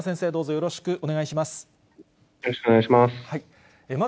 よろしくお願いします。